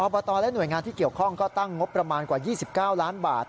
บตและหน่วยงานที่เกี่ยวข้องก็ตั้งงบประมาณกว่า๒๙ล้านบาท